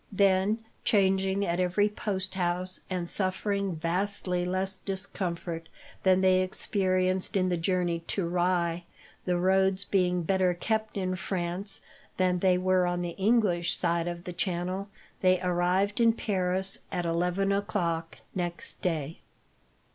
Then, changing at every post house, and suffering vastly less discomfort than they experienced in the journey to Rye the roads being better kept in France than they were on the English side of the channel they arrived in Paris at eleven o'clock next day.